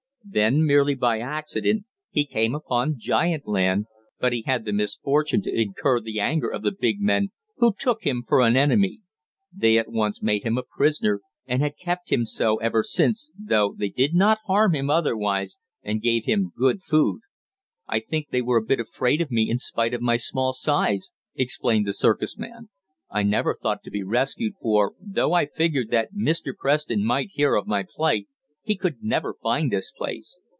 Then, merely by accident, he came upon giant land, but he had the misfortune to incur the anger of the big men who took him for an enemy. They at once made him a prisoner, and had kept him so ever since, though they did not harm him otherwise, and gave him good food. "I think they were a bit afraid of me in spite of my small size," explained the circus man. "I never thought to be rescued, for, though I figured that Mr. Preston might hear of my plight, he could never find this place.